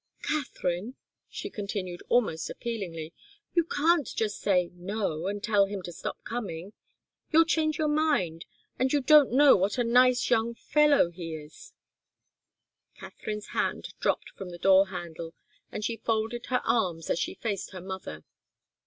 Katharine," she continued, almost appealingly, "you can't just say 'no' and tell him to stop coming you'll change your mind you don't know what a nice young fellow he is " Katharine's hand dropped from the door handle, and she folded her arms as she faced her mother.